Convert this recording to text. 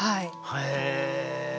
へえ。